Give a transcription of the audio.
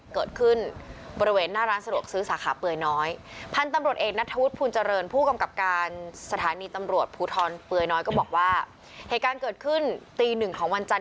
เกิดขึ้นบริเวณหน้าร้านสะดวกซื้อสาขาเปื่อยน้อย